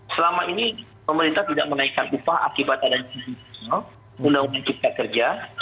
selama ini pemerintah tidak menaikkan upah akibat adanya undang undang cipta kerja